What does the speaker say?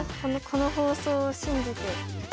「この放送を信じて」。